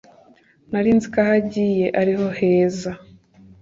narinziko aho agiye ariho heza